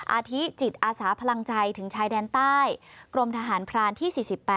อาทิจิตอาสาพลังใจถึงชายแดนใต้กรมทหารพรานที่๔๘